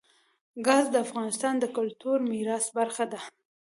ګاز د افغانستان د کلتوري میراث برخه ده.